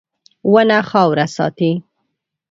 • ونه خاوره ساتي.